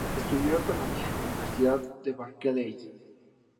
Estudió economía en la Universidad de Berkeley.